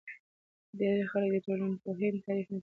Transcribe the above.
ډېری خلک د ټولنپوهنې تعریف نه پوهیږي.